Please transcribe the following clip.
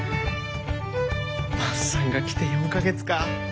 万さんが来て４か月か。